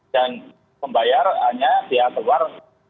dan pembayarannya biaya keluar